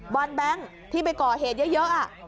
อนแบงค์ที่ไปก่อเหตุเยอะ